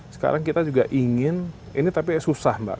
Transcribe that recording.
sekarang kita juga ingin ini tapi susah mbak